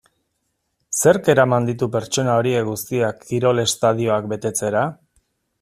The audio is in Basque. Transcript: Zerk eraman ditu pertsona horiek guztiak kirol estadioak betetzera?